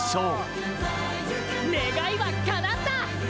「願いはかなった！」